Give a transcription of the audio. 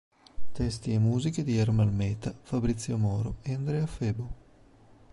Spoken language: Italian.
Testi e musiche di Ermal Meta, Fabrizio Moro e Andrea Febo.